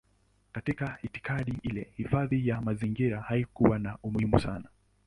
Katika itikadi ile hifadhi ya mazingira haikuwa na umuhimu sana.